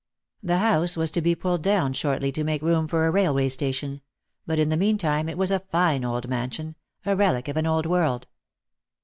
The house was to be pulled down shortly to make room for a railway station ; but in the meantime it was a fine old mansion — a relic of an old world.